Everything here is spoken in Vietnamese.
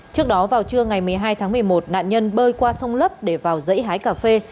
trước đó vào trưa ngày một mươi hai tháng một mươi một nạn nhân bơi qua sông lấp để vào dãy hái cà phê